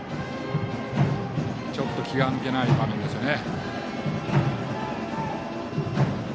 ちょっと気が抜けない場面ですね。